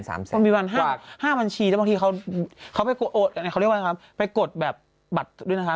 ตั้งแต่วัน๕บัญชีและบางทีเขาไปกดบัตรด้วยนะคะ